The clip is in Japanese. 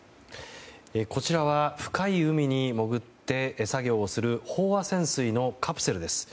こちらは深い海に潜って作業をする飽和潜水のカプセルです。